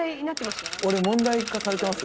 俺問題化されてます？